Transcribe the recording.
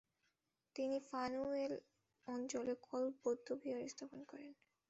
তিনি 'ফান-য়ুল অঞ্চলে কলপ বৌদ্ধবিহার স্থাপন করেন।